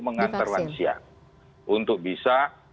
mengantar lansia untuk bisa